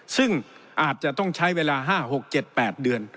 ซึ่งอาจจะต้องใช้เวลา๕๖๗๘เดือน